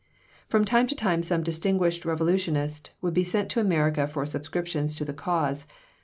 From time to time some distinguished revolutionist would be sent to America for subscriptions to the cause.